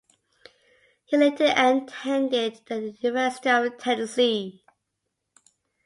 He later attended the University of Tennessee.